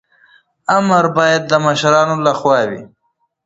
امر باید د مشرانو لخوا وي.